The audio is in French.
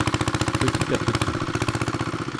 Petit à petit.